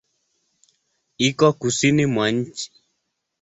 Iko kusini mwa nchi.